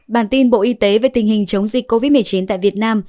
bản tin bộ y tế về tình hình chống dịch covid một mươi chín tại việt nam